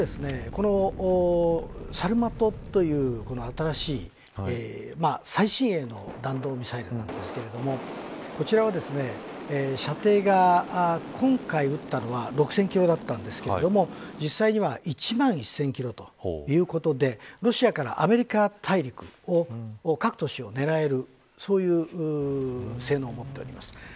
このサルマトという新しい最新鋭の弾道ミサイルなんですがこちらは、射程が今回、撃ったのは６０００キロだったんですけど実際には１万１０００キロということでロシアからアメリカ大陸の各都市を狙えるそういう性能を持っております。